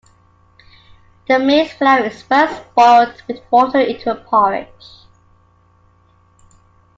The maize flour is first boiled with water into a porridge.